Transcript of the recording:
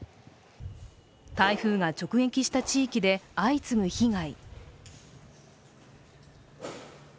台風が直撃した地域で相次ぐ被害。